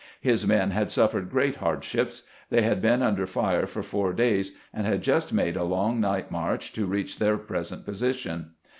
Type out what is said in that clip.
His men had suffered great hardships. They had been under fire for four days, and had just made a long night march to reach their present position.